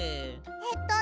えっとね